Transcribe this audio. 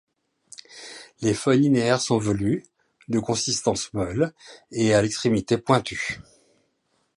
Les feuilles linéaires sont velues, de consistance molle et à l'extrémité pointue.